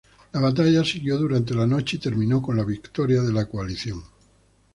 La batalla siguió durante la noche y terminó con la victoria de la coalición.